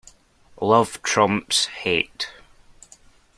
Love trumps hate.